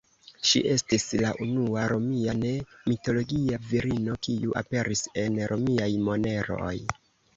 Ŝi estis la unua Romia ne-mitologia virino kiu aperis en Romiaj moneroj.